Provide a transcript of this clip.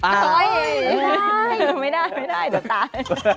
เฮ้ยไม่ได้ไม่ได้เดี๋ยวตาย